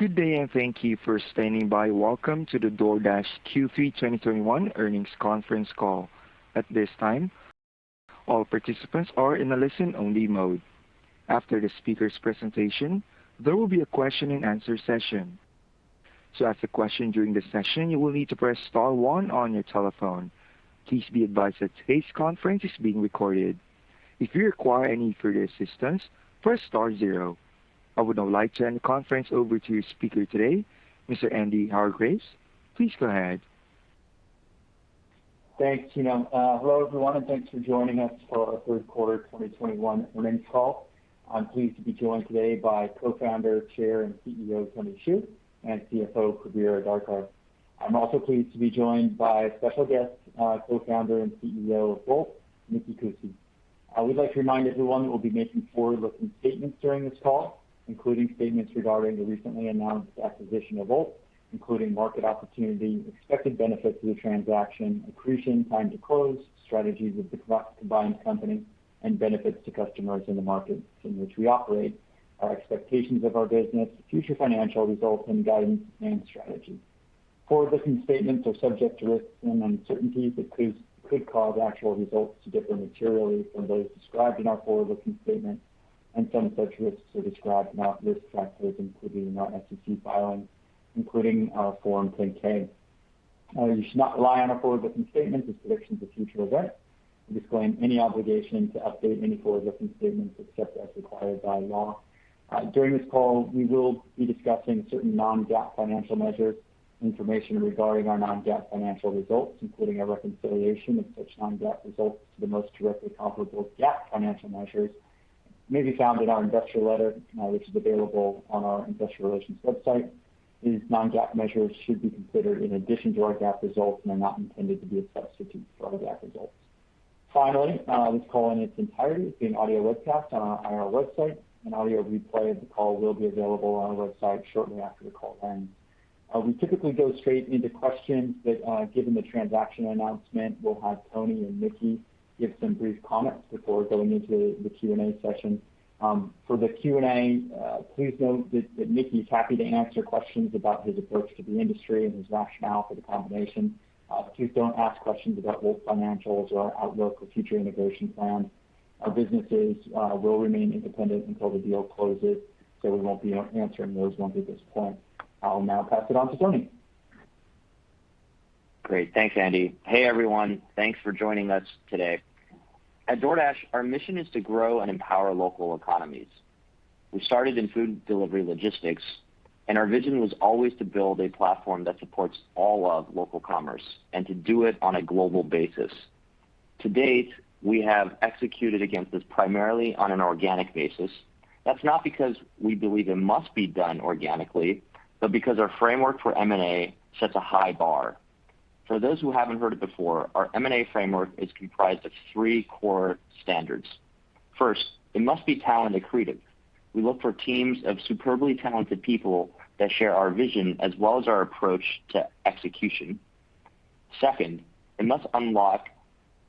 Good day, and thank you for standing by. Welcome to the DoorDash Q3 2021 earnings conference call. At this time, all participants are in a listen-only mode. After the speaker's presentation, there will be a question-and-answer session. To ask a question during the session, you will need to press star one on your telephone. Please be advised that today's conference is being recorded. If you require any further assistance, press star zero. I would now like to hand the conference over to your speaker today, Mr. Andy Hargreaves. Please go ahead. Thanks, Kaelan. Hello everyone, and thanks for joining us for our Q3 2021 earnings call. I'm pleased to be joined today by Co-founder, Chair, and CEO Tony Xu, and CFO Prabir Adarkar. I'm also pleased to be joined by special guest, co-founder and CEO of Wolt, Miki Kuusi. I would like to remind everyone that we'll be making forward-looking statements during this call, including statements regarding the recently announced acquisition of Wolt, including market opportunity, expected benefits of the transaction, accretion, time to close, strategies of the combined company, and benefits to customers in the markets in which we operate, our expectations of our business, future financial results and guidance, and strategy. Forward-looking statements are subject to risks and uncertainties that could cause actual results to differ materially from those described in our forward-looking statements, and some of such risks are described in our risk factors, including in our SEC filings, including our Form 10-K. You should not rely on our forward-looking statements as predictions of future events. We disclaim any obligation to update any forward-looking statements except as required by law. During this call, we will be discussing certain non-GAAP financial measures. Information regarding our non-GAAP financial results, including a reconciliation of such non-GAAP results to the most directly comparable GAAP financial measures, may be found in our investor letter, which is available on our investor relations website. These non-GAAP measures should be considered in addition to our GAAP results and are not intended to be a substitute for our GAAP results. Finally, this call in its entirety is being audio webcast on our website. An audio replay of the call will be available on our website shortly after the call ends. We typically go straight into questions, but given the transaction announcement, we'll have Tony and Miki give some brief comments before going into the Q&A session. For the Q&A, please note that Miki is happy to answer questions about his approach to the industry and his rationale for the combination. Please don't ask questions about Wolt financials or our outlook or future integration plans. Our businesses will remain independent until the deal closes, so we won't be answering those ones at this point. I'll now pass it on to Tony. Great. Thanks, Andy. Hey, everyone. Thanks for joining us today. At DoorDash, our mission is to grow and empower local economies. We started in food delivery logistics, and our vision was always to build a platform that supports all of local commerce and to do it on a global basis. To date, we have executed against this primarily on an organic basis. That's not because we believe it must be done organically, but because our framework for M&A sets a high bar. For those who haven't heard it before, our M&A framework is comprised of three core standards. First, it must be talent accretive. We look for teams of superbly talented people that share our vision as well as our approach to execution. Second, it must unlock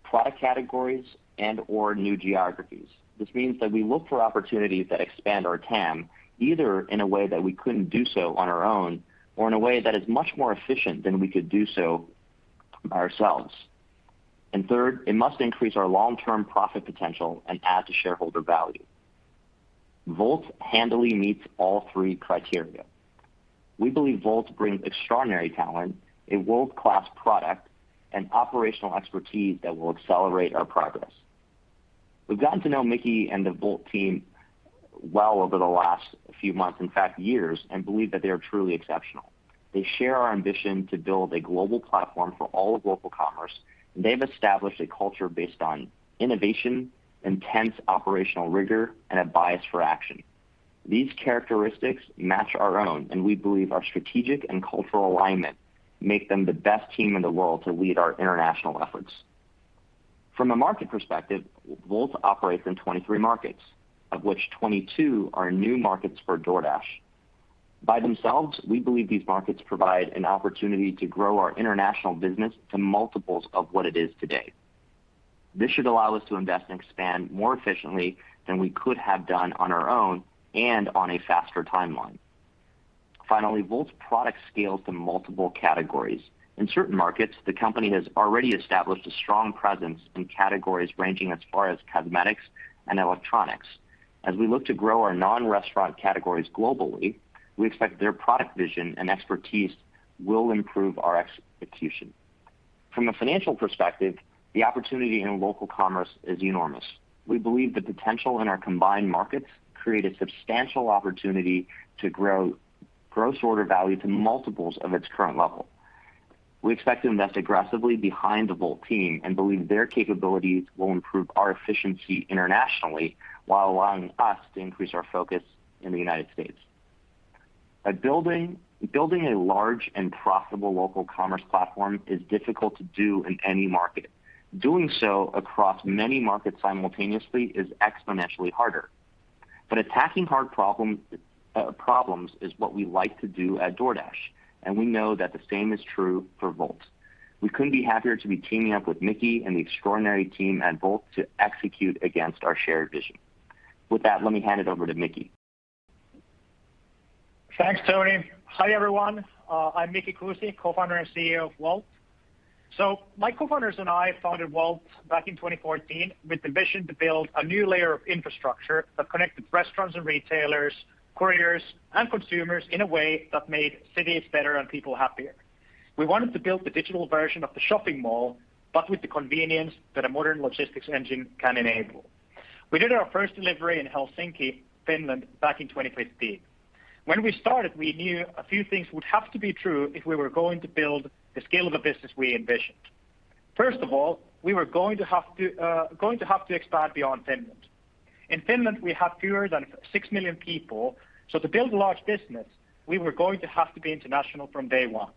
product categories and/or new geographies. This means that we look for opportunities that expand our TAM either in a way that we couldn't do so on our own or in a way that is much more efficient than we could do so ourselves. Third, it must increase our long-term profit potential and add to shareholder value. Wolt handily meets all three criteria. We believe Wolt brings extraordinary talent, a world-class product, and operational expertise that will accelerate our progress. We've gotten to know Miki and the Wolt team well over the last few months, in fact, years, and believe that they are truly exceptional. They share our ambition to build a global platform for all of local commerce. They've established a culture based on innovation, intense operational rigor, and a bias for action. These characteristics match our own, and we believe our strategic and cultural alignment make them the best team in the world to lead our international efforts. From a market perspective, Wolt operates in 23 markets, of which 22 are new markets for DoorDash. By themselves, we believe these markets provide an opportunity to grow our international business to multiples of what it is today. This should allow us to invest and expand more efficiently than we could have done on our own and on a faster timeline. Finally, Wolt's product scales to multiple categories. In certain markets, the company has already established a strong presence in categories ranging as far as cosmetics and electronics. As we look to grow our non-restaurant categories globally, we expect their product vision and expertise will improve our execution. From a financial perspective, the opportunity in local commerce is enormous. We believe the potential in our combined markets create a substantial opportunity to grow gross order value to multiples of its current level. We expect to invest aggressively behind the Wolt team and believe their capabilities will improve our efficiency internationally while allowing us to increase our focus in the United States. By building a large and profitable local commerce platform is difficult to do in any market. Doing so across many markets simultaneously is exponentially harder. Attacking hard problems is what we like to do at DoorDash, and we know that the same is true for Wolt. We couldn't be happier to be teaming up with Miki and the extraordinary team at Wolt to execute against our shared vision. With that, let me hand it over to Miki. Thanks, Tony. Hi, everyone. I'm Miki Kuusi, Co-founder and CEO of Wolt. My co-founders and I founded Wolt back in 2014 with the mission to build a new layer of infrastructure that connected restaurants and retailers, couriers, and consumers in a way that made cities better and people happier. We wanted to build the digital version of the shopping mall, but with the convenience that a modern logistics engine can enable. We did our first delivery in Helsinki, Finland, back in 2015. When we started, we knew a few things would have to be true if we were going to build the scale of the business we envisioned. First of all, we were going to have to expand beyond Finland. In Finland, we have fewer than six million people, so to build a large business, we were going to have to be international from day one.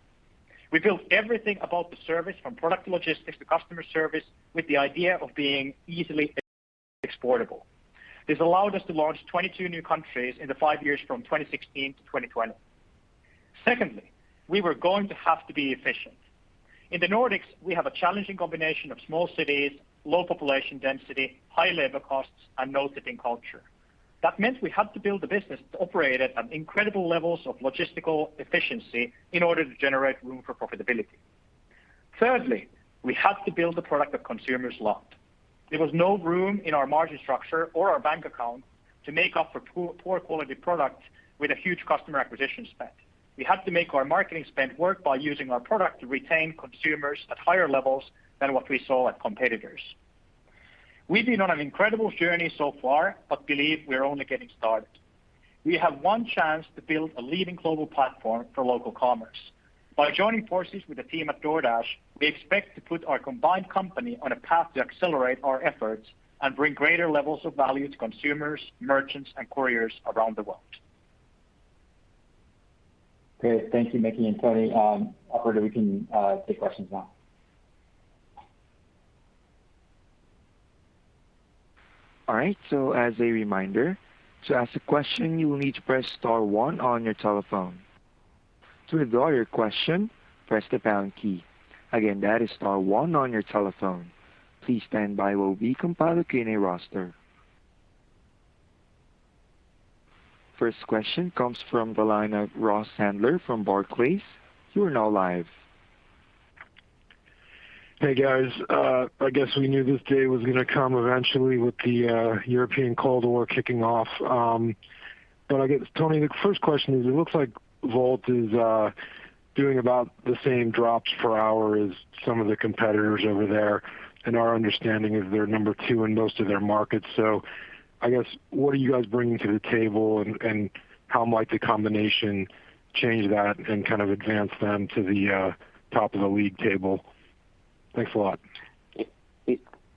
We built everything about the service from product logistics to customer service with the idea of being easily exportable. This allowed us to launch 22 new countries in the five years from 2016 to 2020. Secondly, we were going to have to be efficient. In the Nordics, we have a challenging combination of small cities, low population density, high labor costs, and no tipping culture. That meant we had to build a business to operate at incredible levels of logistical efficiency in order to generate room for profitability. Thirdly, we had to build a product that consumers loved. There was no room in our margin structure or our bank account to make up for poo-poor quality product with a huge customer acquisition spend. We had to make our marketing spend work by using our product to retain consumers at higher levels than what we saw at competitors. We've been on an incredible journey so far, but believe we are only getting started. We have one chance to build a leading global platform for local commerce. By joining forces with the team at DoorDash, we expect to put our combined company on a path to accelerate our efforts and bring greater levels of value to consumers, merchants, and couriers around the world. Great. Thank you, Miki and Tony. Operator, we can take questions now. All right. As a reminder, to ask a question, you will need to press star one on your telephone. To withdraw your question, press the pound key. Again, that is star one on your telephone. Please stand by while we compile a Q&A roster. First question comes from the line of Ross Sandler from Barclays. You are now live. Hey, guys. I guess we knew this day was gonna come eventually with the European Cold War kicking off. I guess, Tony, the first question is, it looks like Wolt is doing about the same drops per hour as some of the competitors over there, and our understanding is they're number two in most of their markets. I guess what are you guys bringing to the table and how might the combination change that and kind of advance them to the top of the league table? Thanks a lot.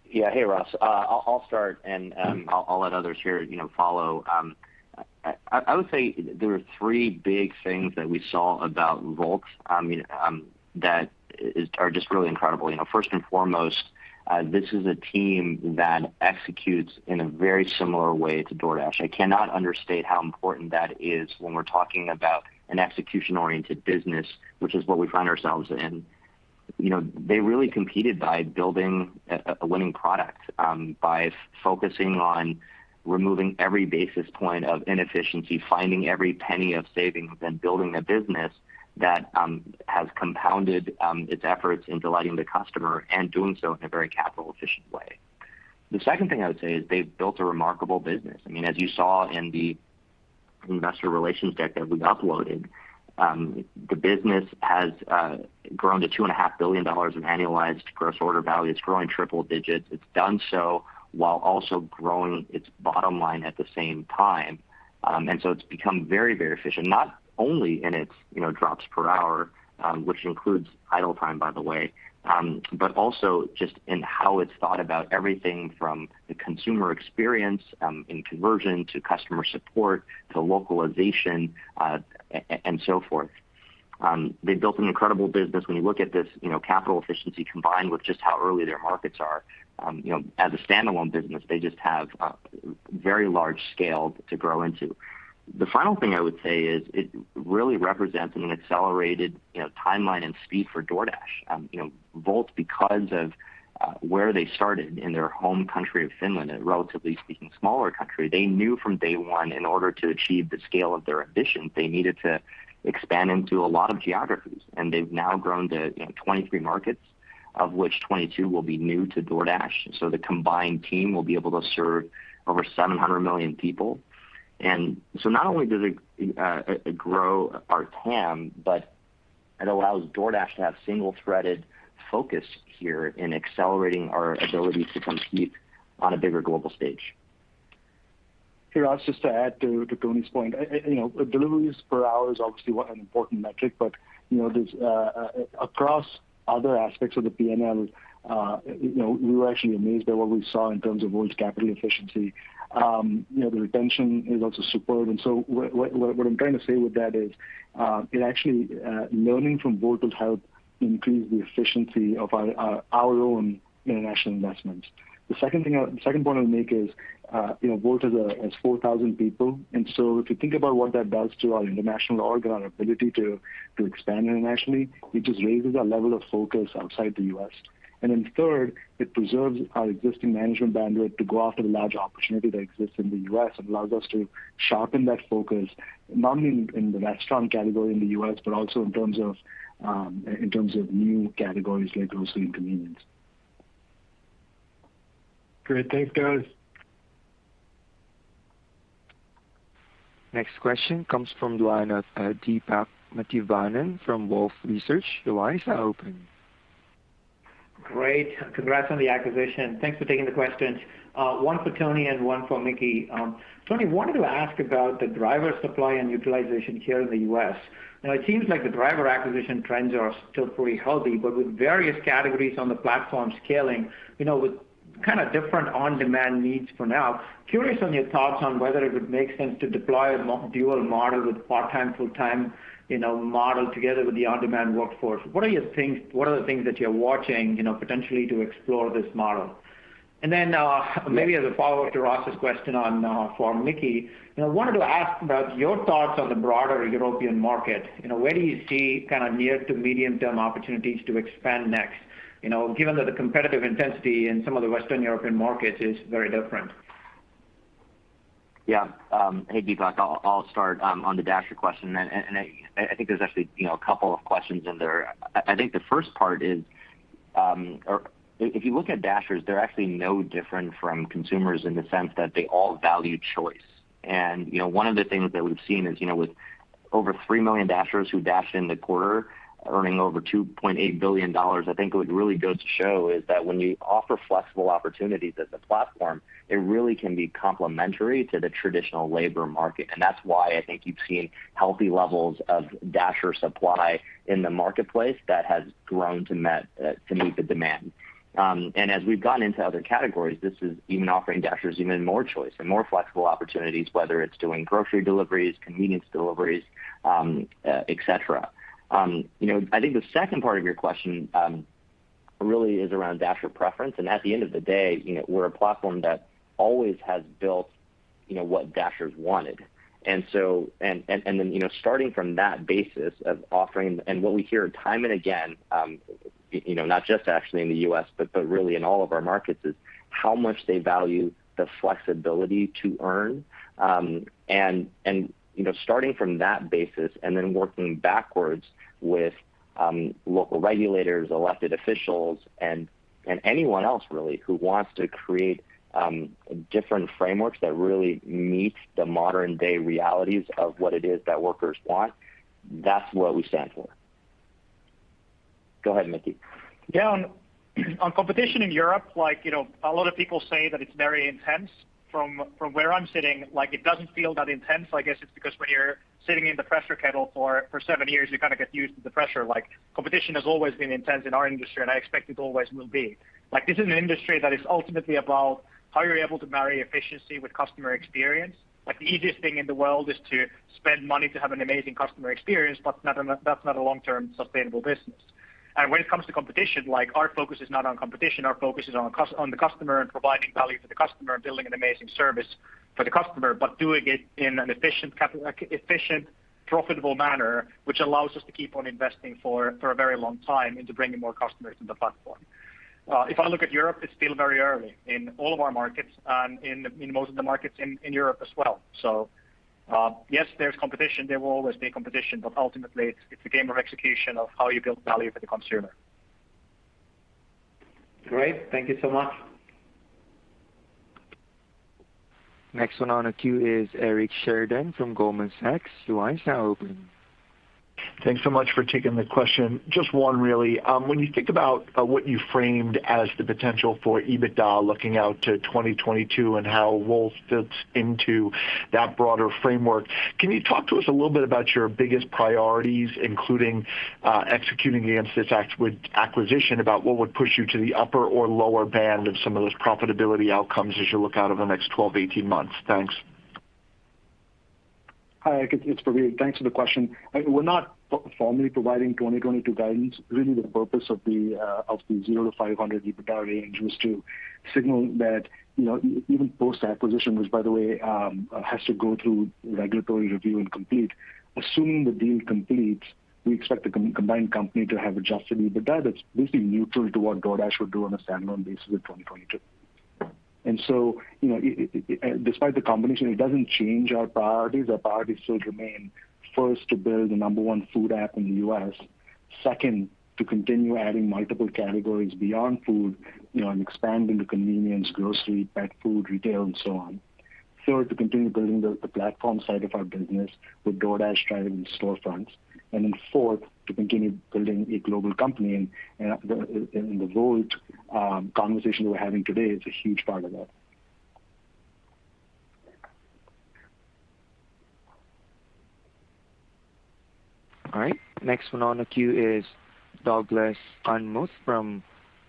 Yeah. Hey, Ross. I'll start and I'll let others here, you know, follow. I would say there are three big things that we saw about Wolt that are just really incredible. You know, first and foremost, this is a team that executes in a very similar way to DoorDash. I cannot understate how important that is when we're talking about an execution-oriented business, which is what we find ourselves in. You know, they really competed by building a winning product by focusing on removing every basis point of inefficiency, finding every penny of savings, and building a business that has compounded its efforts in delighting the customer and doing so in a very capital efficient way. The second thing I would say is they've built a remarkable business. I mean, as you saw in the investor relations deck that we uploaded, the business has grown to $2.5 billion in annualized gross order value. It's growing triple digits. It's done so while also growing its bottom line at the same time. It's become very, very efficient, not only in its, you know, drops per hour, which includes idle time, by the way, but also just in how it's thought about everything from the consumer experience in conversion to customer support to localization, and so forth. They've built an incredible business. When you look at this, you know, capital efficiency combined with just how early their markets are, you know, as a standalone business, they just have a very large scale to grow into. The final thing I would say is it really represents an accelerated, you know, timeline and speed for DoorDash. Wolt, because of where they started in their home country of Finland, a relatively speaking smaller country, they knew from day one, in order to achieve the scale of their ambitions, they needed to expand into a lot of geographies. They've now grown to, you know, 23 markets, of which 22 will be new to DoorDash. The combined team will be able to serve over 700 million people. Not only does it grow our TAM, but it allows DoorDash to have single-threaded focus here in accelerating our ability to compete on a bigger global stage. Hey, Ross, just to add to Tony's point. Deliveries per hour is obviously an important metric, but there are other aspects of the P&L, we were actually amazed at what we saw in terms of Wolt's capital efficiency. The retention is also superb. What I'm trying to say with that is learning from Wolt will help increase the efficiency of our own international investments. The second point I'll make is Wolt has 4,000 people, and so if you think about what that does to our international org and our ability to expand internationally, it just raises our level of focus outside the U.S. Third, it preserves our existing management bandwidth to go after the large opportunity that exists in the U.S. It allows us to sharpen that focus, not in the restaurant category in the U.S., but also in terms of new categories like grocery and convenience. Great. Thanks, guys. Next question comes from the line of Deepak Mathivanan from Wolfe Research. Your line is now open. Great. Congrats on the acquisition. Thanks for taking the questions. One for Tony and one for Miki. Tony, wanted to ask about the driver supply and utilization here in the U.S. Now it seems like the driver acquisition trends are still pretty healthy, but with various categories on the platform scaling, you know, with kind of different on-demand needs for now, curious on your thoughts on whether it would make sense to deploy a dual model with part-time, full-time, you know, model together with the on-demand workforce. What are the things that you're watching, you know, potentially to explore this model? Then, maybe as a follow-up to Ross's question, for Miki, you know, wanted to ask about your thoughts on the broader European market. You know, where do you see kind of near to medium-term opportunities to expand next? You know, given that the competitive intensity in some of the Western European markets is very different. Yeah. Hey, Deepak. I'll start on the Dasher question then. I think there's actually, you know, a couple of questions in there. I think the first part is, if you look at Dashers, they're actually no different from consumers in the sense that they all value choice. You know, one of the things that we've seen is, you know, with over 3 million Dashers who dashed in the quarter earning over $2.8 billion. I think what really goes to show is that when you offer flexible opportunities as a platform, it really can be complementary to the traditional labor market. That's why I think you've seen healthy levels of Dasher supply in the marketplace that has grown to meet the demand. As we've gotten into other categories, this is even offering Dashers even more choice and more flexible opportunities, whether it's doing grocery deliveries, convenience deliveries, et cetera. You know, I think the second part of your question really is around Dasher preference. At the end of the day, you know, we're a platform that always has built, you know, what Dashers wanted. Then, you know, starting from that basis of offering and what we hear time and again, you know, not just actually in the U.S., but really in all of our markets, is how much they value the flexibility to earn. you know, starting from that basis and then working backwards with local regulators, elected officials, and anyone else really who wants to create different frameworks that really meet the modern-day realities of what it is that workers want, that's what we stand for. Go ahead, Miki. Yeah. On competition in Europe, like, you know, a lot of people say that it's very intense. From where I'm sitting, like it doesn't feel that intense. I guess it's because when you're sitting in the pressure kettle for seven years, you kinda get used to the pressure. Like, competition has always been intense in our industry, and I expect it always will be. Like, this is an industry that is ultimately about how you're able to marry efficiency with customer experience. Like, the easiest thing in the world is to spend money to have an amazing customer experience, that's not a long-term sustainable business. When it comes to competition, like our focus is not on competition. Our focus is on the customer and providing value for the customer and building an amazing service for the customer, but doing it in a capital-efficient profitable manner, which allows us to keep on investing for a very long time into bringing more customers to the platform. If I look at Europe, it's still very early in all of our markets in most of the markets in Europe as well. Yes, there's competition. There will always be competition, but ultimately it's a game of execution of how you build value for the consumer. Great. Thank you so much. Next one on the queue is Eric Sheridan from Goldman Sachs. Your line is now open. Thanks so much for taking the question. Just one really. When you think about what you framed as the potential for EBITDA looking out to 2022 and how Wolt fits into that broader framework, can you talk to us a little bit about your biggest priorities, including executing against this acquisition, about what would push you to the upper or lower band of some of those profitability outcomes as you look out over the next 12-18 months? Thanks. Hi, Eric, it's Prabir. Thanks for the question. We're not formally providing 2022 guidance. Really the purpose of the $0-$500 EBITDA range was to signal that, you know, even post-acquisition, which, by the way, has to go through regulatory review and compete. Assuming the deal completes, we expect the combined company to have adjusted EBITDA that's basically neutral to what DoorDash would do on a standalone basis in 2022. You know, despite the combination, it doesn't change our priorities. Our priorities still remain, first, to build the number one food app in the U.S. Second, to continue adding multiple categories beyond food, you know, and expanding to convenience, grocery, pet food, retail and so on. Third, to continue building the platform side of our business with DoorDash Drive and Storefront. Fourth, to continue building a global company. The Wolt conversation that we're having today is a huge part of that. All right. Next one on the queue is Douglas Anmuth from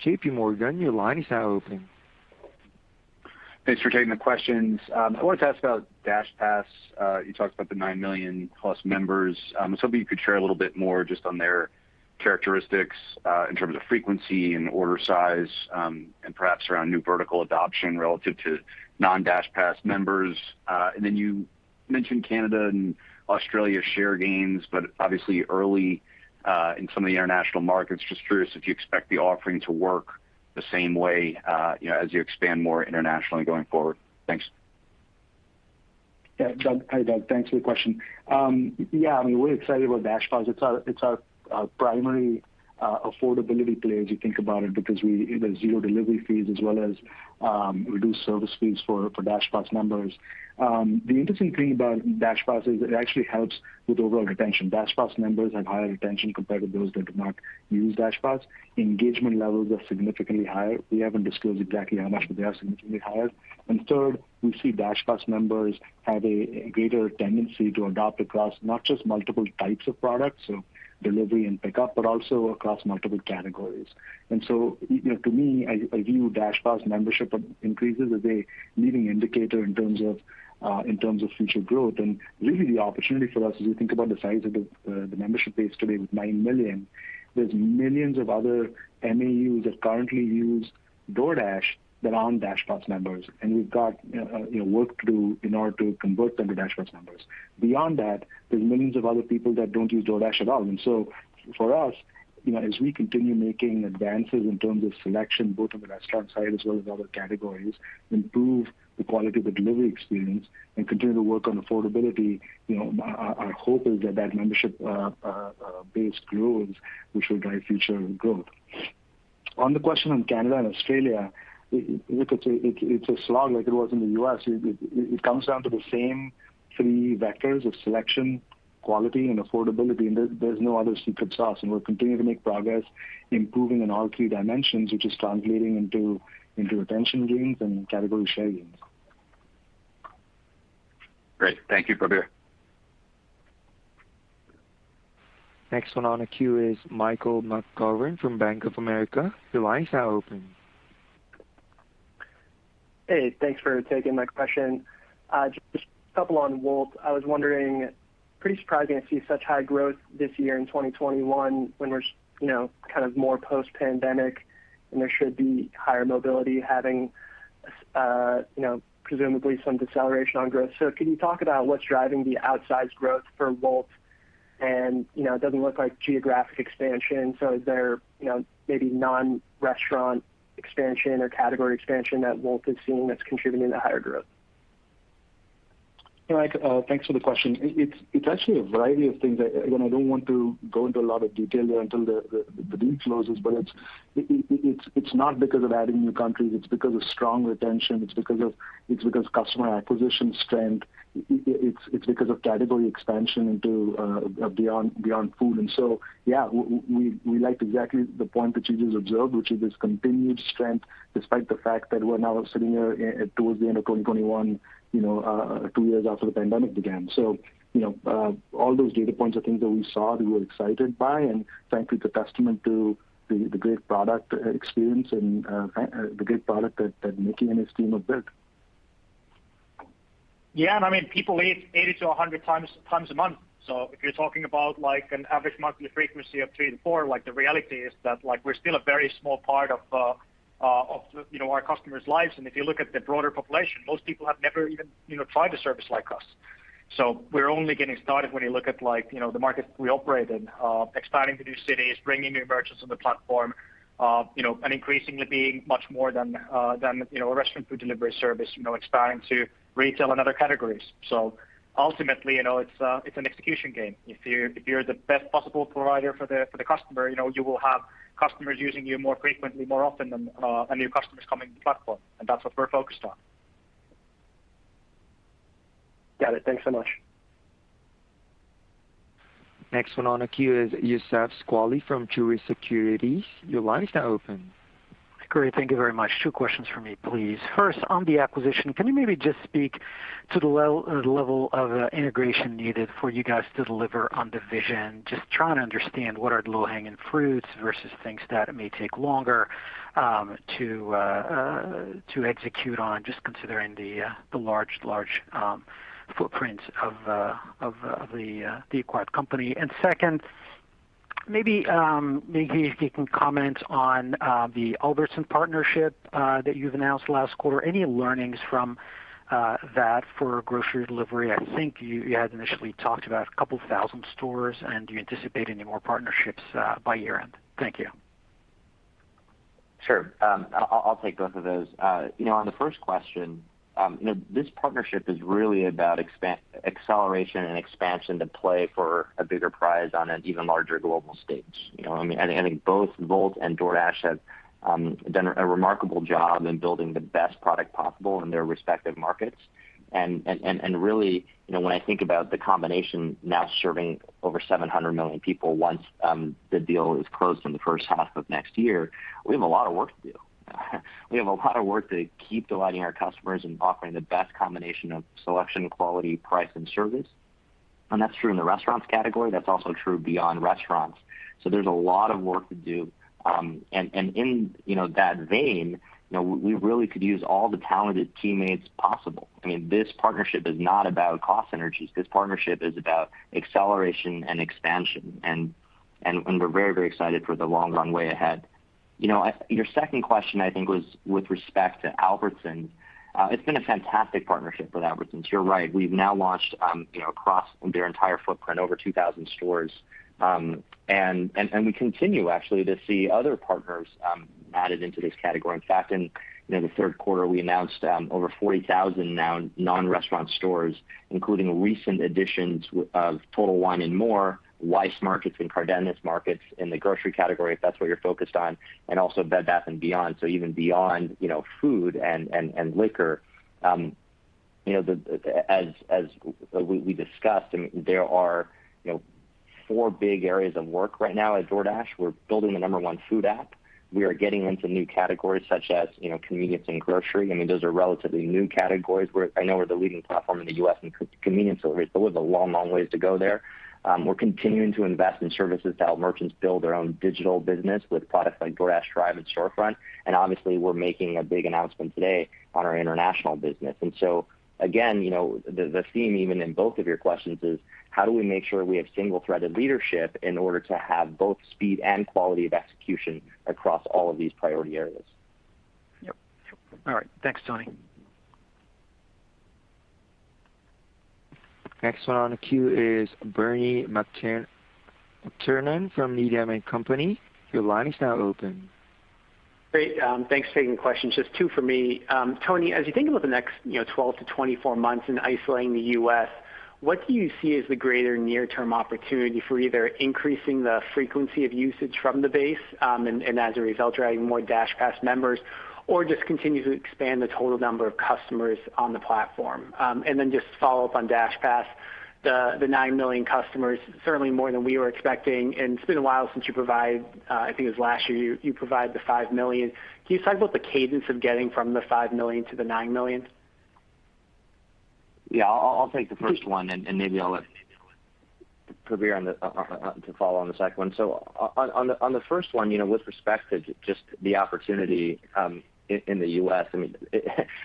JPMorgan. Your line is now open. Thanks for taking the questions. I wanted to ask about DashPass. You talked about the 9 million+ members. I was hoping you could share a little bit more just on their characteristics, in terms of frequency and order size, and perhaps around new vertical adoption relative to non-DashPass members. You mentioned Canada and Australia share gains, but obviously early, in some of the international markets. Just curious if you expect the offering to work the same way, you know, as you expand more internationally going forward. Thanks. Yeah, Doug. Hi, Doug. Thanks for the question. Yeah, I mean, we're excited about DashPass. It's our primary affordability play, as you think about it, because there's zero delivery fees as well as reduced service fees for DashPass members. The interesting thing about DashPass is it actually helps with overall retention. DashPass members have higher retention compared to those that do not use DashPass. Engagement levels are significantly higher. We haven't disclosed exactly how much, but they are significantly higher. Third, we see DashPass members have a greater tendency to adopt across not just multiple types of products, so delivery and pickup, but also across multiple categories. You know, to me, I view DashPass membership increases as a leading indicator in terms of future growth. Really the opportunity for us, as you think about the size of the membership base today with 9 million, there's millions of other MAUs that currently use DoorDash that aren't DashPass members, and we've got, you know, work to do in order to convert them to DashPass members. Beyond that, there's millions of other people that don't use DoorDash at all. For us, you know, as we continue making advances in terms of selection, both on the restaurant side as well as other categories, improve the quality of the delivery experience and continue to work on affordability, you know, our hope is that membership base grows, which will drive future growth. On the question on Canada and Australia, look, it's a slog like it was in the U.S. It comes down to the same three vectors of selection, quality and affordability. There's no other secret sauce, and we're continuing to make progress improving in all three dimensions, which is translating into retention gains and category share gains. Great. Thank you, Prabir. Next one on the queue is Michael McGovern from Bank of America. Your line is now open. Hey, thanks for taking my question. Just a couple on Wolt. I was wondering, pretty surprising to see such high growth this year in 2021 when we're, you know, kind of more post-pandemic, and there should be higher mobility having, you know, presumably some deceleration on growth. Can you talk about what's driving the outsized growth for Wolt? It doesn't look like geographic expansion. Is there, you know, maybe non-restaurant expansion or category expansion that Wolt is seeing that's contributing to higher growth? Mike, thanks for the question. It's actually a variety of things. Again, I don't want to go into a lot of detail there until the deal closes, but it's not because of adding new countries. It's because of strong retention. It's because of customer acquisition strength. It's because of category expansion into beyond food. Yeah, we like exactly the point that you just observed, which is this continued strength despite the fact that we're now sitting here towards the end of 2021, you know, two years after the pandemic began. You know, all those data points are things that we saw, we were excited by, and frankly, it's a testament to the great product experience and the great product that Miki and his team have built. Yeah. I mean, people eat 80-100 times a month. If you're talking about, like, an average monthly frequency of three-four, like, the reality is that, like, we're still a very small part of, you know, our customers' lives. If you look at the broader population, most people have never even, you know, tried a service like us. We're only getting started when you look at, like, you know, the markets we operate in, expanding to new cities, bringing new merchants on the platform, you know, and increasingly being much more than, you know, a restaurant food delivery service, you know, expanding to retail and other categories. Ultimately, you know, it's an execution game. If you're the best possible provider for the customer, you know, you will have customers using you more frequently, more often than and new customers coming to the platform, and that's what we're focused on. Got it. Thanks so much. Next one on the queue is Youssef Squali from Truist Securities. Your line is now open. Great. Thank you very much. Two questions for me, please. First, on the acquisition, can you maybe just speak to the level of integration needed for you guys to deliver on the vision? Just trying to understand what are the low-hanging fruits versus things that may take longer to execute on, just considering the large footprint of the acquired company. Second, maybe if you can comment on the Albertsons partnership that you've announced last quarter. Any learnings from that for grocery delivery? I think you had initially talked about a couple thousand stores. Do you anticipate any more partnerships by year-end? Thank you. Sure. I'll take both of those. You know, on the first question, you know, this partnership is really about acceleration and expansion to play for a bigger prize on an even larger global stage. You know, I mean, I think both Wolt and DoorDash have done a remarkable job in building the best product possible in their respective markets. And really, you know, when I think about the combination now serving over 700 million people once the deal is closed in the H1 of next year, we have a lot of work to do. We have a lot of work to keep delighting our customers and offering the best combination of selection, quality, price, and service. That's true in the restaurants category. That's also true beyond restaurants. There's a lot of work to do. In that vein, you know, we really could use all the talented teammates possible. I mean, this partnership is not about cost synergies. This partnership is about acceleration and expansion, and we're very, very excited for the long runway ahead. You know, your second question, I think, was with respect to Albertsons. It's been a fantastic partnership with Albertsons. You're right. We've now launched, you know, across their entire footprint, over 2,000 stores. We continue actually to see other partners added into this category. In fact, in the Q3, we announced over 40,000 non-restaurant stores now, including recent additions of Total Wine & More, Weis Markets and Cardenas Markets in the grocery category, if that's what you're focused on, and also Bed Bath & Beyond. Even beyond food and liquor, as we discussed, I mean, there are four big areas of work right now at DoorDash. We're building the number one food app. We are getting into new categories such as convenience and grocery. I mean, those are relatively new categories. I know we're the leading platform in the U.S. in convenience delivery, but we have a long way to go there. We're continuing to invest in services to help merchants build their own digital business with products like DoorDash Drive and Storefront. Obviously, we're making a big announcement today on our international business. Again, you know, the theme even in both of your questions is how do we make sure we have single-threaded leadership in order to have both speed and quality of execution across all of these priority areas? Yep. All right. Thanks, Tony. Next one on the queue is Bernie McTernan from Needham & Company. Your line is now open. Great. Thanks for taking the question. Just two for me. Tony, as you think about the next, you know, 12-24 months and isolating the US, what do you see as the greater near-term opportunity for either increasing the frequency of usage from the base, and as a result, driving more DashPass members, or just continue to expand the total number of customers on the platform? And then just to follow up on DashPass, the 9 million customers, certainly more than we were expecting, and it's been a while since you provided, I think it was last year you provided the 5 million. Can you talk about the cadence of getting from the 5 million to the 9 million? Yeah. I'll take the first one, and maybe I'll let Prabir on to follow on the second one. On the first one, you know, with respect to just the opportunity, in the U.S., I mean,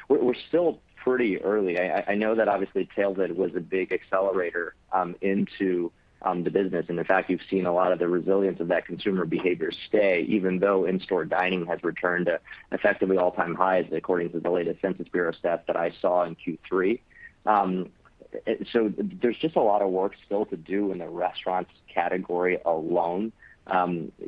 we're still pretty early. I know that obviously tailwind was a big accelerator into the business. In fact, you've seen a lot of the resilience of that consumer behavior stay, even though in-store dining has returned to effectively all-time highs, according to the latest Census Bureau stat that I saw in Q3. There's just a lot of work still to do in the restaurants category alone.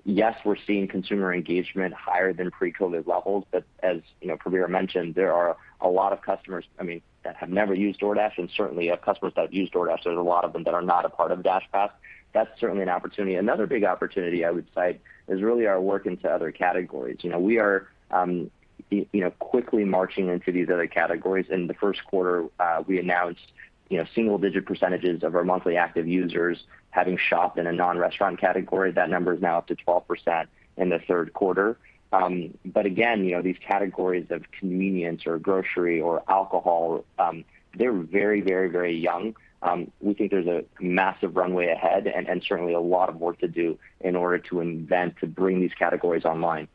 Yes, we're seeing consumer engagement higher than pre-COVID levels, but as you know, Prabir mentioned, there are a lot of customers, I mean, that have never used DoorDash, and certainly customers that have used DoorDash, there's a lot of them that are not a part of DashPass. That's certainly an opportunity. Another big opportunity I would cite is really our work into other categories. You know, we are you know, quickly marching into these other categories. In the Q1, we announced single-digit percentages of our monthly active users having shopped in a non-restaurant category. That number is now up to 12% in the Q3. But again, you know, these categories of convenience or grocery or alcohol, they're very young. We think there's a massive runway ahead and certainly a lot of work to do in order to invent to bring these categories online.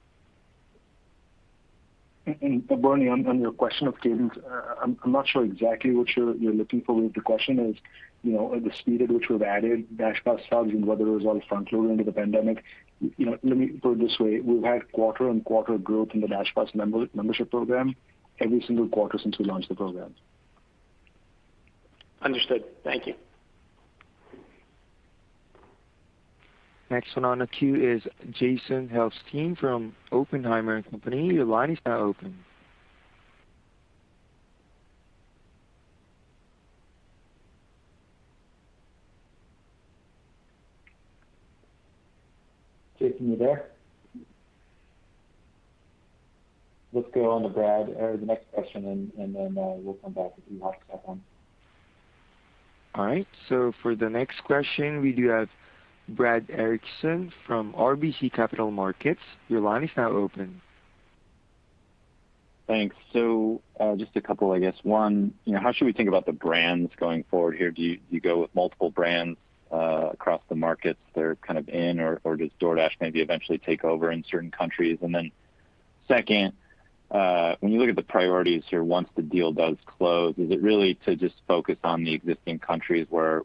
Bernie, on your question of cadence, I'm not sure exactly what you're looking for with the question. You know, the speed at which we've added DashPass subs and whether it was all front-loaded into the pandemic? You know, let me put it this way. We've had quarter and quarter growth in the DashPass membership program every single quarter since we launched the program. Understood. Thank you. Next one on the queue is Jason Helfstein from Oppenheimer & Co. Your line is now open. Jason, you there? Let's go on to Brad, or the next question, and then we'll come back if you hop back on. All right. For the next question, we do have Brad Erickson from RBC Capital Markets. Your line is now open. Thanks. Just a couple, I guess. One, you know, how should we think about the brands going forward here? Do you go with multiple brands across the markets they're kind of in, or does DoorDash maybe eventually take over in certain countries? Then second, when you look at the priorities here, once the deal does close, is it really to just focus on the existing countries where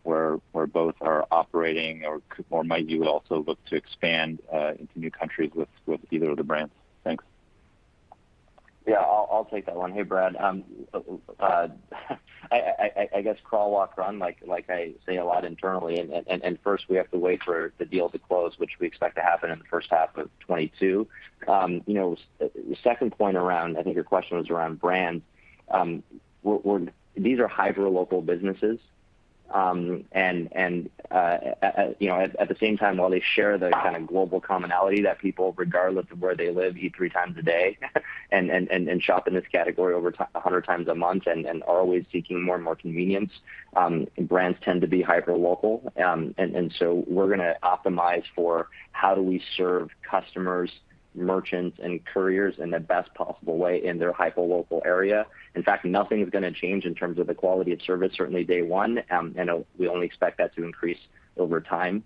both are operating or might you also look to expand into new countries with either of the brands? Thanks. Yeah, I'll take that one. Hey, Brad, I guess crawl, walk, run, like I say a lot internally, and first we have to wait for the deal to close, which we expect to happen in the H1 of 2022. The second point around, I think your question was around brands. These are hyper-local businesses. At the same time, while they share the kind of global commonality that people, regardless of where they live, eat three times a day and shop in this category over 100 times a month and are always seeking more and more convenience, brands tend to be hyper-local. We're gonna optimize for how do we serve customers, merchants, and couriers in the best possible way in their hyper-local area. In fact, nothing is gonna change in terms of the quality of service, certainly day one, we only expect that to increase over time.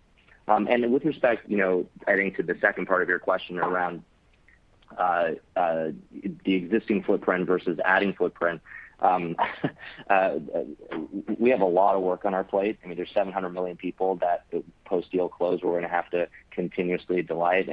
With respect, you know, I think to the second part of your question around the existing footprint versus adding footprint, we have a lot of work on our plate. I mean, there's 700 million people that post-deal close we're gonna have to continuously delight.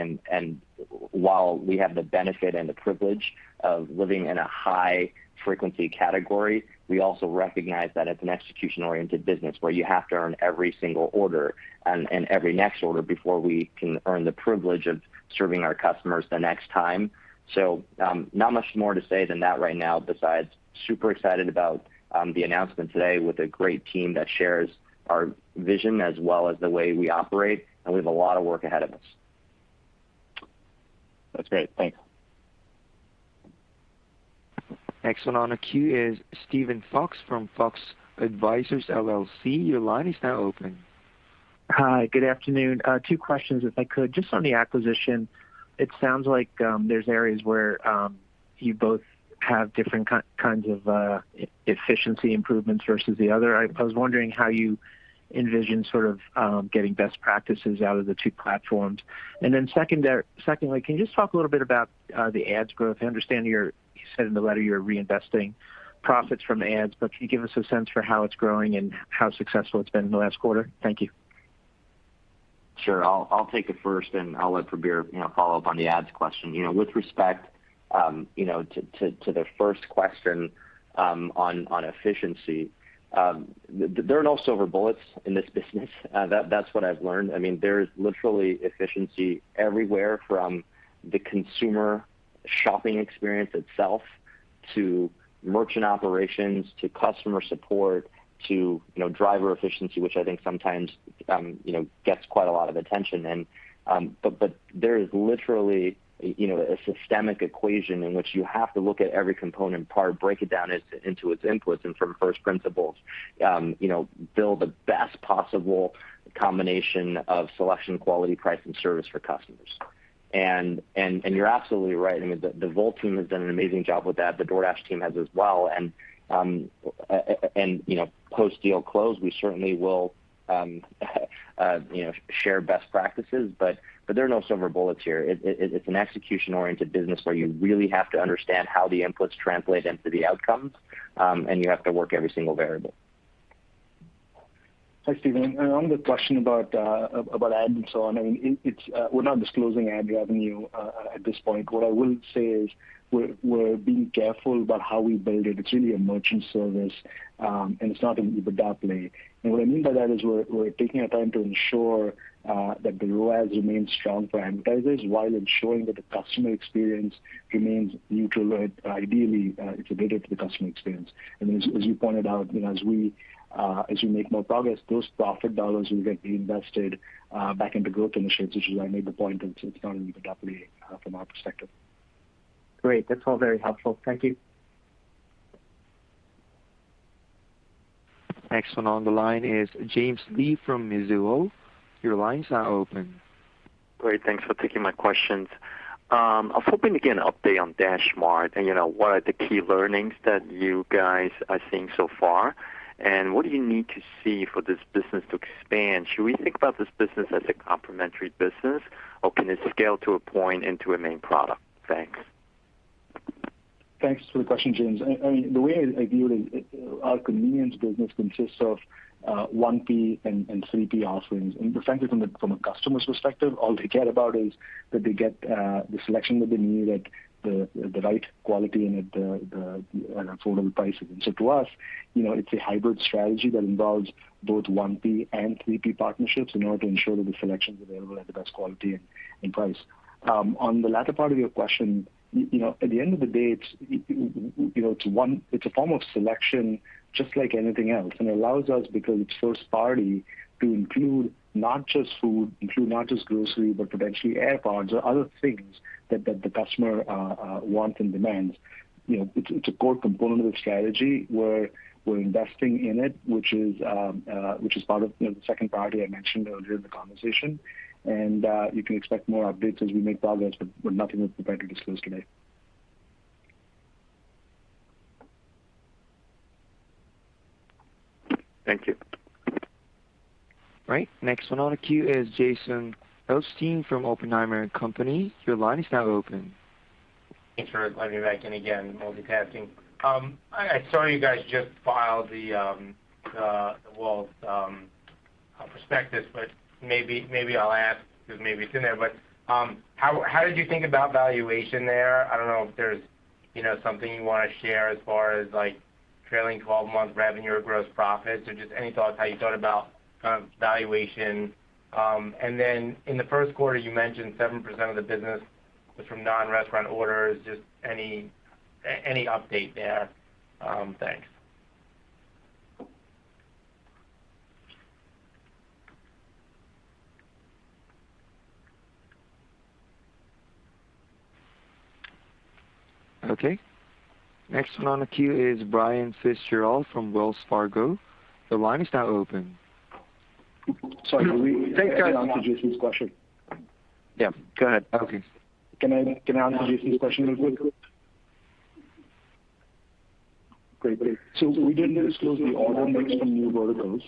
While we have the benefit and the privilege of living in a high-frequency category, we also recognize that it's an execution-oriented business, where you have to earn every single order and every next order before we can earn the privilege of serving our customers the next time. Not much more to say than that right now, besides super excited about the announcement today with a great team that shares our vision as well as the way we operate, and we have a lot of work ahead of us. That's great. Thanks. Next one on the queue is Steven Fox from Fox Advisors. Your line is now open. Hi, good afternoon. Two questions, if I could. Just on the acquisition, it sounds like, there's areas where you both have different kinds of efficiency improvements versus the other. I was wondering how you envision sort of getting best practices out of the two platforms. Secondly, can you just talk a little bit about the ads growth? I understand you said in the letter you're reinvesting profits from ads, but can you give us a sense for how it's growing and how successful it's been in the last quarter? Thank you. Sure. I'll take it first, and I'll let Prabir follow up on the ads question. You know, with respect to the first question on efficiency, there are no silver bullets in this business. That's what I've learned. I mean, there's literally efficiency everywhere from the consumer shopping experience itself to merchant operations, to customer support, to driver efficiency, which I think sometimes you know gets quite a lot of attention. But there is literally a systemic equation in which you have to look at every component part, break it down into its inputs, and from first principles you know build the best possible combination of selection, quality, price, and service for customers. You're absolutely right. I mean, the Wolt team has done an amazing job with that. The DoorDash team has as well. You know, post deal close, we certainly will, you know, share best practices, but there are no silver bullets here. It's an execution-oriented business where you really have to understand how the inputs translate into the outcomes, and you have to work every single variable. Hi, Stephen. On the question about ads and so on, I mean, we're not disclosing ad revenue at this point. What I will say is we're being careful about how we build it. It's really a merchant service, and it's not an EBITDA play. What I mean by that is we're taking our time to ensure that the ROAS remains strong for advertisers while ensuring that the customer experience remains neutral or ideally it's additive to the customer experience. As you pointed out, you know, as we make more progress, those profit dollars will get reinvested back into growth initiatives, which is why I made the point that it's not an EBITDA play from our perspective. Great. That's all very helpful. Thank you. Next one on the line is James Lee from Mizuho. Your line is now open. Great. Thanks for taking my questions. I was hoping to get an update on DashMart and, you know, what are the key learnings that you guys are seeing so far, and what do you need to see for this business to expand? Should we think about this business as a complementary business, or can it scale to a point into a main product? Thanks. Thanks for the question, James. I mean, the way I view it is, our convenience business consists of 1P and 3P offerings. Frankly, from a customer's perspective, all they care about is that they get the selection that they need at the right quality and at affordable prices. To us, you know, it's a hybrid strategy that involves both 1P and 3P partnerships in order to ensure that the selection's available at the best quality and price. On the latter part of your question, you know, at the end of the day, it's a form of selection just like anything else, and it allows us, because it's first party, to include not just food, not just grocery, but potentially AirPods or other things that the customer wants and demands. You know, it's a core component of the strategy. We're investing in it, which is part of, you know, the second priority I mentioned earlier in the conversation. You can expect more updates as we make progress, but nothing we're prepared to disclose today. Thank you. Right. Next one on the queue is Jason Helfstein from Oppenheimer & Co. Your line is now open. Thanks for letting me back in again, multitasking. I saw you guys just filed the prospectus, but maybe I'll ask because maybe it's in there. How did you think about valuation there? I don't know if there's you know something you want to share as far as like trailing twelve-month revenue or gross profits or just any thoughts how you thought about kind of valuation. In the Q1, you mentioned 7% of the business was from non-restaurant orders. Just any update there? Thanks. Okay. Next one on the queue is Brian Fitzgerald from Wells Fargo. Your line is now open. Sorry, can we- Thanks, guys. Answer Jason's question? Yeah, go ahead. Okay. Can I answer Jason's question real quick? Great. So we didn't disclose the order mix from new verticals,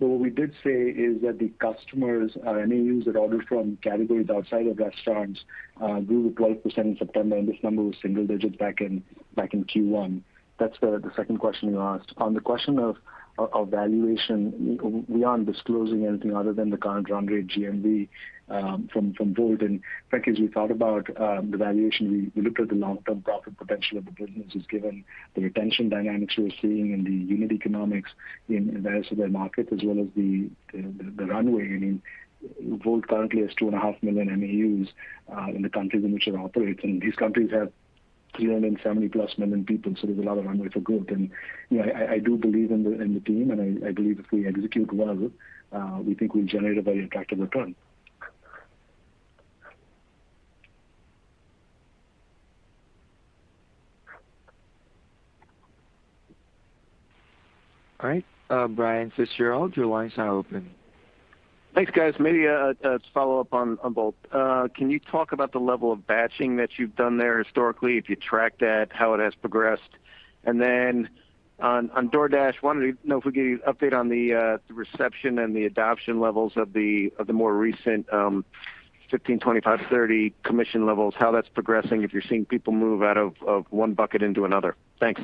but what we did say is that the customers or MAUs that ordered from categories outside of restaurants grew 12% in September, and this number was single digits back in Q1. That's the second question you asked. On the question of valuation, we aren't disclosing anything other than the current run rate GMV from Wolt. Frankly, as we thought about the valuation, we looked at the long-term profit potential of the business is given the retention dynamics we're seeing in the unit economics in various other markets as well as the runway. I mean, Wolt currently has 2.5 million MAUs in the countries in which it operates, and these countries have 370+ million people, so there's a lot of runway for growth. You know, I do believe in the team, and I believe if we execute well, we think we'll generate a very attractive return. All right, Brian Fitzgerald, your line is now open. Thanks, guys. Maybe a follow-up on both. Can you talk about the level of batching that you've done there historically, if you tracked that, how it has progressed? On DoorDash, wanted to know if we could get an update on the reception and the adoption levels of the more recent 15, 25, 30 commission levels, how that's progressing, if you're seeing people move out of one bucket into another. Thanks.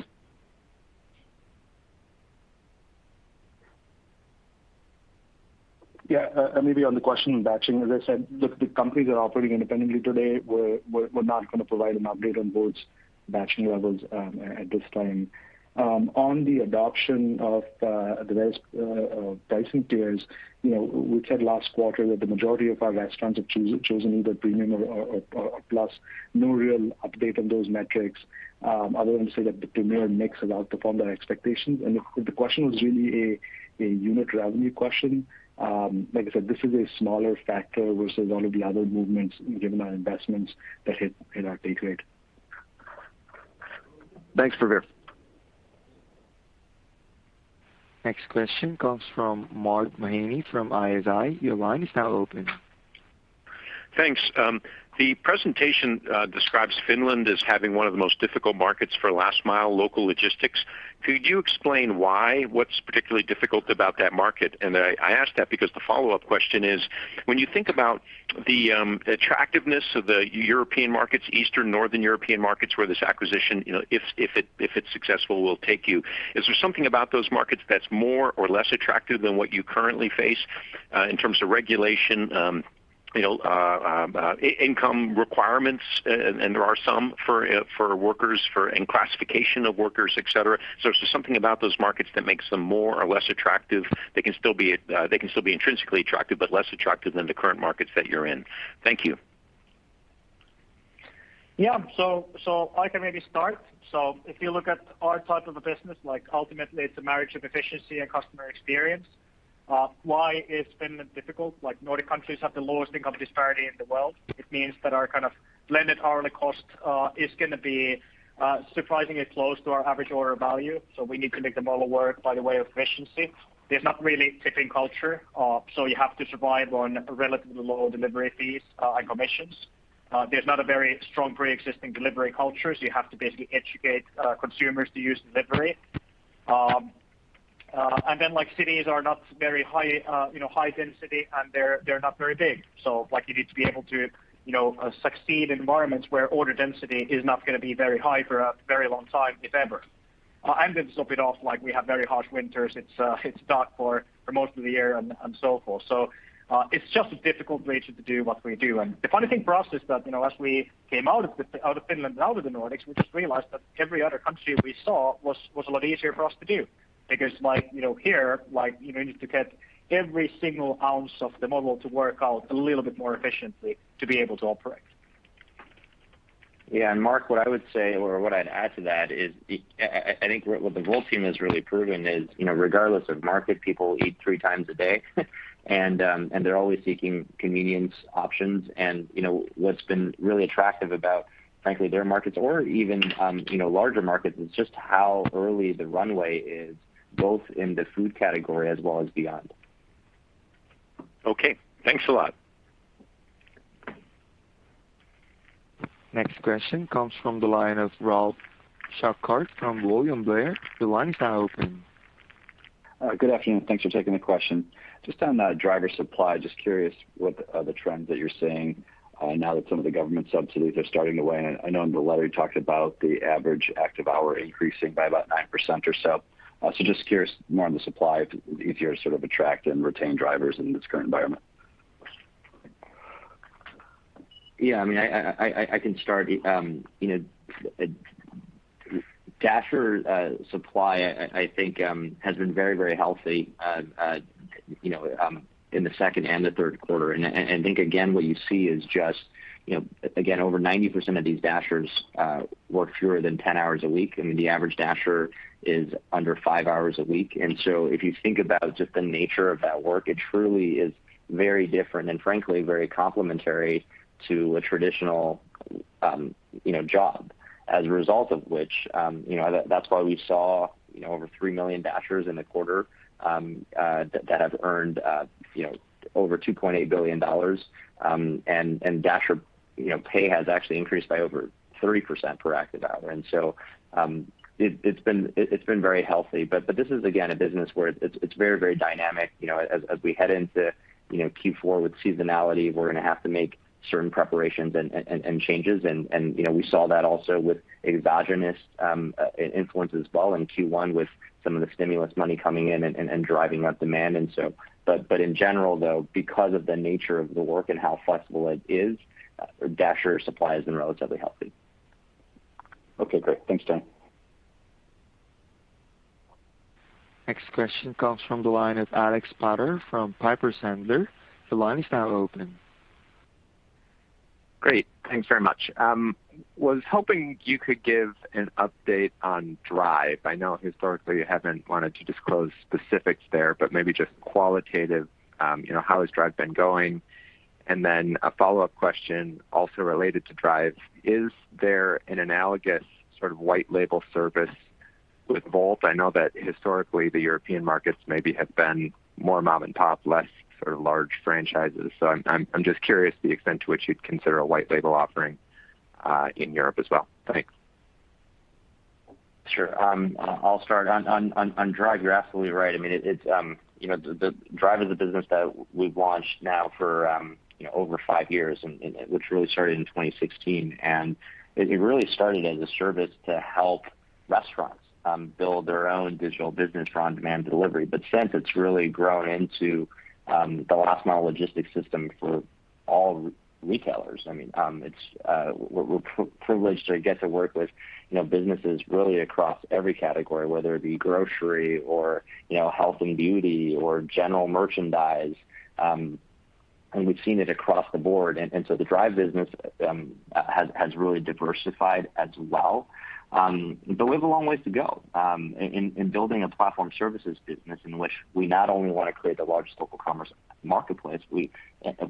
Yeah, maybe on the question of batching, as I said, look, the companies are operating independently today. We're not gonna provide an update on both batching levels at this time. On the adoption of the rest of pricing tiers, you know, we said last quarter that the majority of our restaurants have chosen either premium or plus. No real update on those metrics, other than to say that the premium mix allowed to form their expectations. If the question was really a unit revenue question, like I said, this is a smaller factor versus all of the other movements given our investments that hit our take rate. Thanks, Prabir. Next question comes from Mark Mahaney from ISI. Your line is now open. Thanks. The presentation describes Finland as having one of the most difficult markets for last mile local logistics. Could you explain why? What's particularly difficult about that market? I ask that because the follow-up question is, when you think about the attractiveness of the European markets, Eastern, Northern European markets, where this acquisition, you know, if it's successful, will take you. Is there something about those markets that's more or less attractive than what you currently face in terms of regulation, you know, income requirements, and there are some for workers and classification of workers, et cetera. Is there something about those markets that makes them more or less attractive? They can still be intrinsically attractive, but less attractive than the current markets that you're in. Thank you. I can maybe start. If you look at our type of a business, like, ultimately it's a marriage of efficiency and customer experience. Why is Finland difficult? Like, Nordic countries have the lowest income disparity in the world. It means that our kind of blended hourly cost is gonna be surprisingly close to our average order value. We need to make the model work by way of efficiency. There's not really tipping culture, so you have to survive on relatively low delivery fees and commissions. There's not a very strong pre-existing delivery culture, so you have to basically educate consumers to use delivery. Then, like, cities are not very high density, and they're not very big. Like, you need to be able to, you know, succeed in environments where order density is not gonna be very high for a very long time, if ever. To top it off, like, we have very harsh winters. It's dark for most of the year and so forth. It's just a difficult place to do what we do. The funny thing for us is that, you know, as we came out of Finland and out of the Nordics, we just realized that every other country we saw was a lot easier for us to do because, like, you know, here, like, you know, you need to get every single ounce of the model to work out a little bit more efficiently to be able to operate. Yeah. Mark, what I would say or what I'd add to that is I think what the whole team has really proven is, you know, regardless of market, people eat three times a day, and they're always seeking convenience options. You know, what's been really attractive about, frankly, their markets or even, you know, larger markets is just how early the runway is, both in the food category as well as beyond. Okay. Thanks a lot. Next question comes from the line of Ralph Schackart from William Blair. Your line is now open. Good afternoon. Thanks for taking the question. Just on driver supply, just curious what are the trends that you're seeing now that some of the government subsidies are starting to wane. I know in the letter you talked about the average active hour increasing by about 9% or so. Just curious more on the supply, if it's easier to sort of attract and retain drivers in this current environment. Yeah, I mean, I can start. You know, Dashers supply, I think, has been very healthy, you know, in the second and the Q3. I think, again, what you see is just, you know, again, over 90% of these Dashers work fewer than 10 hours a week, and the average Dasher is under five hours a week. If you think about just the nature of that work, it truly is very different and, frankly, very complementary to a traditional, you know, job. As a result of which, you know, that's why we saw, you know, over 3 million Dashers in the quarter, that have earned, you know, over $2.8 billion. Dashers, you know, pay has actually increased by over 30% per active hour. It's been very healthy. This is, again, a business where it's very dynamic. You know, as we head into Q4 with seasonality, we're gonna have to make certain preparations and changes. You know, we saw that also with exogenous influence as well in Q1 with some of the stimulus money coming in and driving up demand. In general, though, because of the nature of the work and how flexible it is, Dashers supply has been relatively healthy. Okay, great. Thanks, Tony. Next question comes from the line of Alex Potter from Piper Sandler. Your line is now open. Great. Thanks very much. I was hoping you could give an update on Drive. I know historically you haven't wanted to disclose specifics there, but maybe just qualitative, you know, how has Drive been going? And then a follow-up question also related to Drive, is there an analogous sort of white label service with Wolt? I know that historically the European markets maybe have been more mom-and-pop, less sort of large franchises. So I'm just curious the extent to which you'd consider a white label offering in Europe as well. Thanks. Sure. I'll start. On Drive, you're absolutely right. I mean, it, you know. The Drive is a business that we've launched now for, you know, over five years and which really started in 2016. It really started as a service to help restaurants build their own digital business for on-demand delivery. Since, it's really grown into the last mile logistics system for all retailers. I mean, it's. We're privileged to get to work with, you know, businesses really across every category, whether it be grocery or, you know, health and beauty or general merchandise. And we've seen it across the board. So the Drive business has really diversified as well. We have a long ways to go in building a platform services business in which we not only want to create the largest local commerce marketplace, we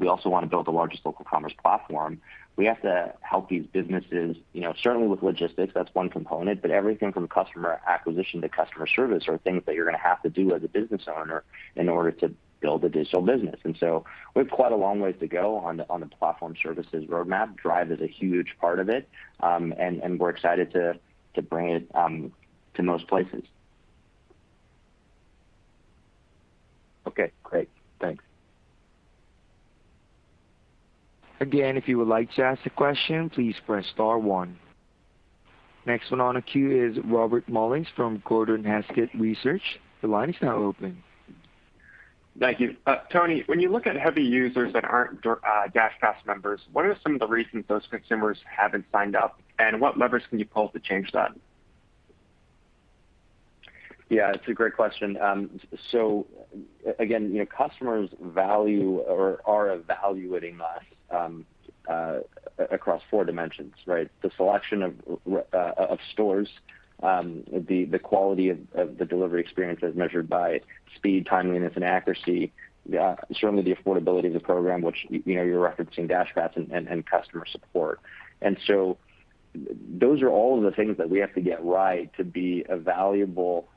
also want to build the largest local commerce platform. We have to help these businesses, you know, certainly with logistics, that's one component, but everything from customer acquisition to customer service are things that you're gonna have to do as a business owner in order to build a digital business. We've quite a long ways to go on the platform services roadmap. Drive is a huge part of it. We're excited to bring it to most places. Okay, great. Thanks. Again, if you would like to ask a question, please press star one. Next one on the queue is Robby Mollins from Gordon Haskett Research Advisors. The line is now open. Thank you. Tony, when you look at heavy users that aren't DashPass members, what are some of the reasons those consumers haven't signed up, and what levers can you pull to change that? Yeah, it's a great question. Again, you know, customers value or are evaluating us across four dimensions, right? The selection of stores, the quality of the delivery experience as measured by speed, timeliness, and accuracy, certainly the affordability of the program, which, you know, you're referencing DashPass and customer support. Those are all of the things that we have to get right to be a valuable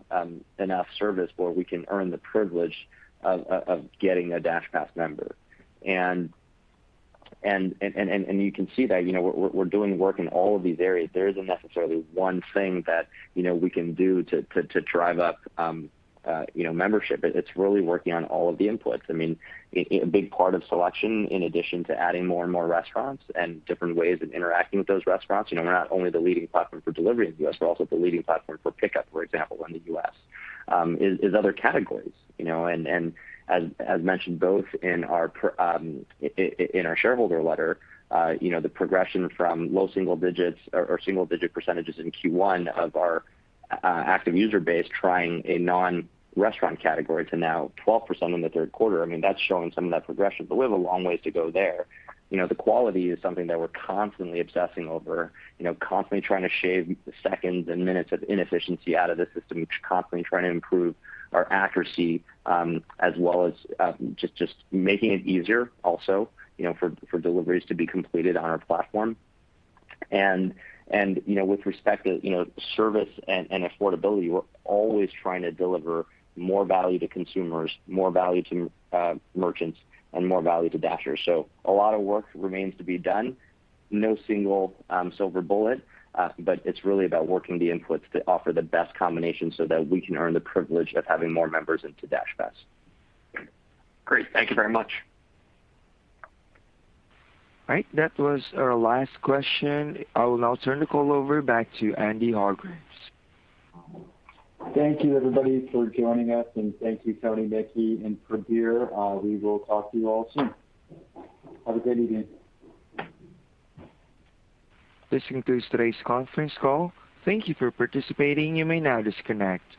enough service where we can earn the privilege of getting a DashPass member. You can see that, you know, we're doing work in all of these areas. There isn't necessarily one thing that, you know, we can do to drive up, you know, membership. It's really working on all of the inputs. I mean, a big part of selection in addition to adding more and more restaurants and different ways of interacting with those restaurants, you know, we're not only the leading platform for delivery in the U.S., but also the leading platform for pickup, for example, in the U.S., is other categories. You know, as mentioned both in our in our shareholder letter, you know, the progression from low single digits or single digit percentages in Q1 of our active user base trying a non-restaurant category to now 12% in the Q3, I mean, that's showing some of that progression. We have a long ways to go there. You know, the quality is something that we're constantly obsessing over, you know, constantly trying to shave the seconds and minutes of inefficiency out of the system. Constantly trying to improve our accuracy, as well as just making it easier also, you know, for deliveries to be completed on our platform. You know, with respect to service and affordability, we're always trying to deliver more value to consumers, more value to merchants, and more value to Dashers. A lot of work remains to be done. No single silver bullet, but it's really about working the inputs to offer the best combination so that we can earn the privilege of having more members into DashPass. Great. Thank you very much. All right. That was our last question. I will now turn the call over back to Andy Hargreaves. Thank you everybody for joining us, and thank you Tony Xu and Prabir Adarkar. We will talk to you all soon. Have a great evening. This concludes today's conference call. Thank you for participating. You may now disconnect.